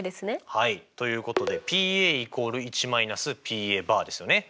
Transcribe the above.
はいということでＰ＝１−Ｐですよね。